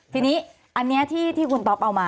ทีนี้อันนี้ที่คุณต๊อปเอามา